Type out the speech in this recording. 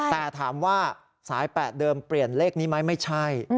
แต่ถามว่าสาย๘เดิมเปลี่ยนเลขนี้ไหมไม่ใช่